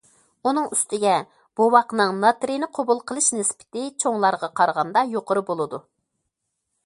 ئۇنىڭ ئۈستىگە بوۋاقنىڭ ناترىينى قوبۇل قىلىش نىسبىتى چوڭلارغا قارىغاندا يۇقىرى بولىدۇ.